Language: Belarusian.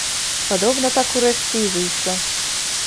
Падобна, так, урэшце, і выйшла.